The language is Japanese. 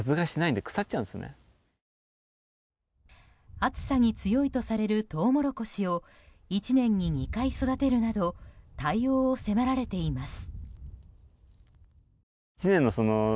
暑さに強いとされるトウモロコシを１年に２回育てるなど対応を迫られています。